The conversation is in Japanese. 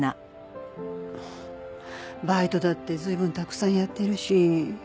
バイトだって随分たくさんやってるし。